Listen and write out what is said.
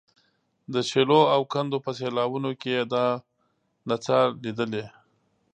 د شیلو او کندو په سیلاوونو کې یې دا نڅا لیدلې.